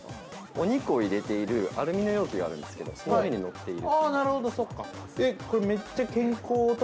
◆お肉を入れているアルミの容器があるんですけど、その上に乗っている。